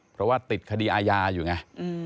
เพราะว่าติดคดีอาญาอยู่ไง